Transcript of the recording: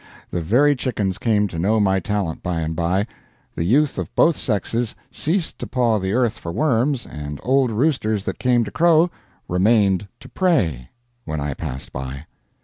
The very chickens came to know my talent by and by. The youth of both sexes ceased to paw the earth for worms, and old roosters that came to crow, "remained to pray," when I passed by.